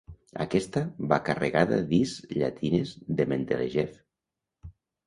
Aquesta va carregada d'is llatines de Mendelejev.